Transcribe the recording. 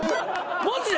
マジで！？